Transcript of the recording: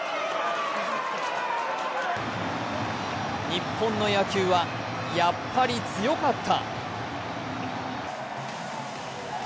日本の野球は、やっぱり強かった。